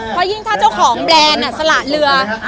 เพราะยิ่งถ้าเจ้าของแบรนด์สละเรือ